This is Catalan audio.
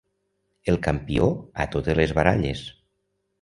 El campió a totes les baralles.